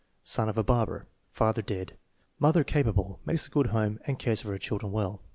Son of a barber. Father dead; mother capa ble; makes a good home, and cares for her children well.